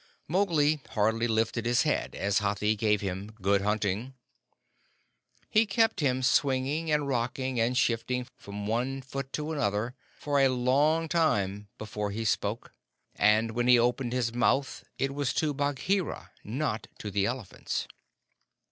Mowgli hardly lifted his head as Hathi gave him "Good hunting." He kept him swinging and rocking, and shifting from one foot to another, for a long time before he spoke, and when he opened his mouth it was to Bagheera, not to the elephants.